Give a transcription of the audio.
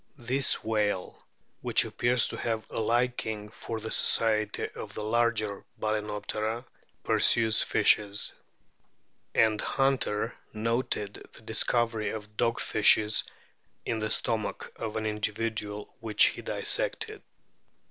This whale, which appears to have a liking for the society of the larger Balcenoptera, pursues fishes ; and Hunter noted the discovery of dog fishes in the stomach of an individual which he dissected.